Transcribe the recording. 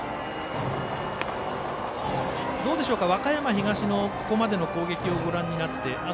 どうでしょうか、和歌山東のここまでの攻撃をご覧になって。